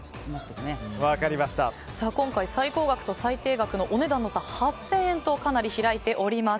今回、最高額と最低額のお値段の差は８０００円とかなり差が開いております。